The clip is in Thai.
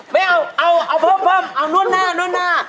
ไม่เอาเอาเพิ่มเอานวดหน้า